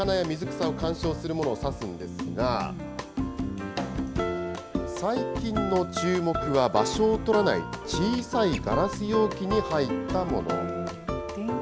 水槽で魚や水藻を観賞するものを指すんですが、最近の注目は場所を取らない、小さいガラス容器に入ったもの。